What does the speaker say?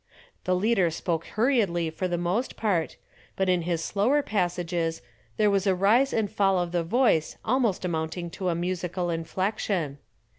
The leader spoke hurriedly for the most part, but in his slower passages there was a rise and fall of the voice almost amounting to a musical inflection.